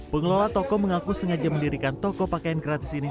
pengelola toko mengaku sengaja mendirikan toko pakaian gratis ini